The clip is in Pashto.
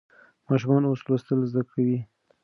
ماشومان اوس لوستل زده کوي.